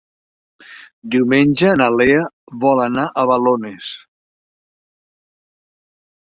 Diumenge na Lea vol anar a Balones.